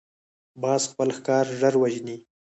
باز خپل ښکار ژر وژني